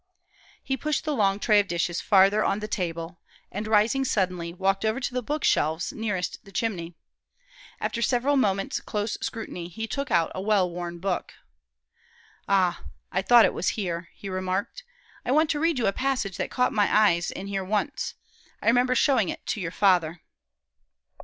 '" He pushed the long tray of dishes farther on the table, and, rising suddenly, walked over to the book shelves nearest the chimney. After several moments' close scrutiny, he took out a well worn book. "Ah, I thought it was here," he remarked. "I want to read you a passage that caught my eyes in here once. I remember showing it to your father."